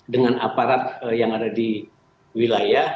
dengan aparat yang ada di wilayah